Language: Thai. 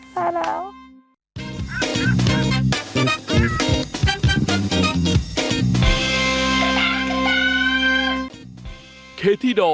พายไปแล้ว